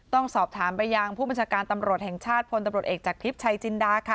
ต้องสอบถามไปยังผู้มจการตำรวจแห่งชาติ